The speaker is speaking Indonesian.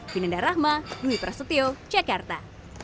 bininda rahma lwi prasetyo jakarta